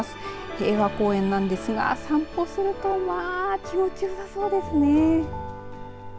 平和公園なんですが散歩するとまあ気持ちよさそうですね。